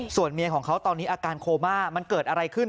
ส่วนเมียของเขาตอนนี้อาการโคม่ามันเกิดอะไรขึ้น